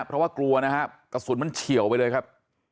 เพราะว่ากลัวนะฮะกระสุนมันเฉียวไปเลยครับ